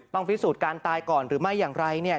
พิสูจน์การตายก่อนหรือไม่อย่างไรเนี่ย